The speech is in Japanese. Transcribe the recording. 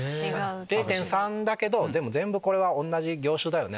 ０．３だけど全部これは同じ業種だよね。